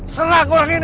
serahkan orang ini